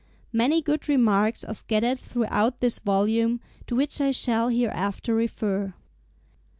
Many good remarks are scattered throughout this volume, to which I shall hereafter refer.